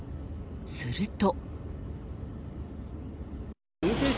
すると。